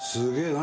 何？